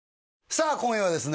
さあ今夜はですね